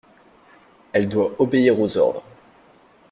Elle doit obéir aux ordres.